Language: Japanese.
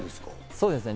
そうですね。